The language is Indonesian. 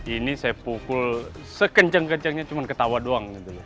ini saya pukul sekenceng kencengnya cuma ketawa doang